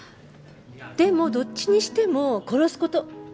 でもどっちにしても殺す事。